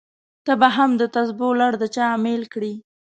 ته به هم دتسبو لړ د چا امېل کړې!